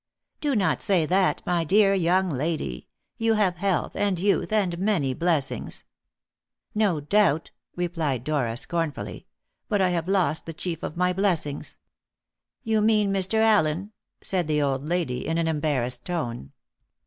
"Do not say that, my dear young lady. You have health, and youth, and many blessings." "No doubt," replied Dora scornfully; "but I have lost the chief of my blessings." "You mean Mr. Allen?" said the old lady in an embarrassed tone.